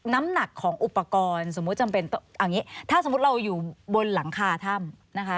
น้ำหนักของอุปกรณ์ถ้าสมมติเราอยู่บนหลังคาถ้ำ